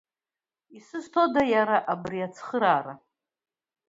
Исызҭода иара убри ацхыраара?